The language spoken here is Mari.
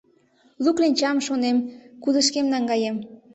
Лу кленчам, шонем, кудышкем наҥгаем.